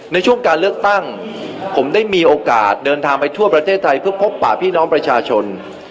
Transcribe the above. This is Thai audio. ในช่วงการเลือกตั้งผมได้มีโอกาสเดินทางไปทั่วประเทศไทยเพื่อพบป่าพี่น้องประชาชน